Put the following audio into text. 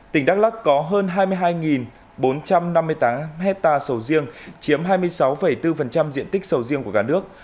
tỉnh đắk lắc có hơn hai mươi hai bốn trăm năm mươi tám hectare sầu riêng chiếm hai mươi sáu bốn diện tích sầu riêng của cả nước